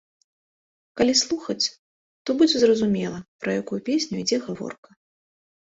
Калі слухаць, то будзе зразумела, пра якую песню ідзе гаворка.